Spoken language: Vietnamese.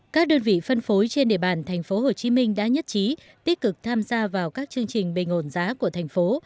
các đơn vị phân phối trên địa bàn tp hcm đã nhất trí tích cực tham gia vào các chương trình bình ổn giá của thành phố